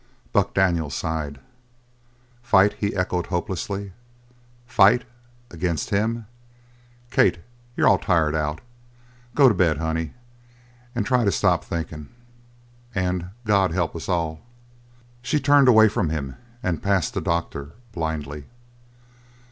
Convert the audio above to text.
Buck Daniels sighed. "Fight?" he echoed hopelessly. "Fight? Against him? Kate, you're all tired out. Go to bed, honey, and try to stop thinkin' and God help us all!" She turned away from him and passed the doctor blindly.